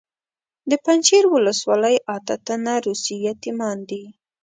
د پنجشیر ولسوالۍ اته تنه روسي یتیمان دي.